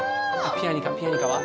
ピアニカピアニカは？